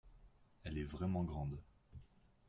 Elle est vraiment grande.